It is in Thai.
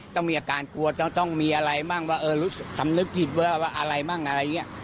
ต้องมีอาการกลัวจะต้องมีอะไรบ้างว่าเออสำนึกจิตว่าว่าอะไรบ้างอะไรอย่างเงี้ย